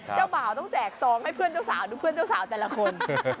เจ้าบ่าวต้องแจกซองให้เพื่อนเจ้าสาวดูเพื่อนเจ้าสาวแต่ละคน